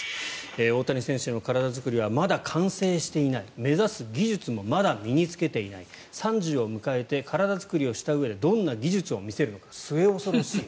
大谷選手の体作りはまだ完成していない目指す技術もまだ身に着けていない３０を迎えて体作りをしたうえでどんな技術を見せるのか末恐ろしい。